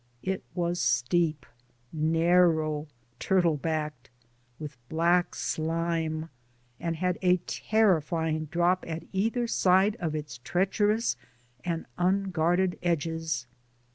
It was steep, narrow, turtle backed, with black slime, and had a terrifying drop at either side of its treacherous and unguarded edges.